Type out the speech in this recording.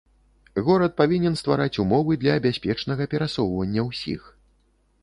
Горад павінен ствараць умовы для бяспечнага перасоўвання ўсіх.